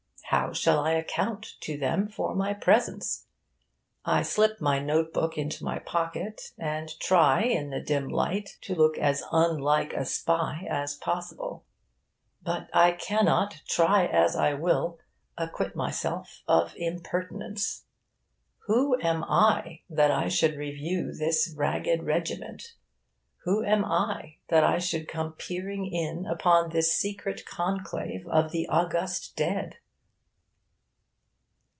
How shall I account to them for my presence? I slip my note book into my pocket, and try, in the dim light, to look as unlike a spy as possible. But I cannot, try as I will, acquit myself of impertinence. Who am I that I should review this 'ragged regiment'? Who am I that I should come peering in upon this secret conclave of the august dead?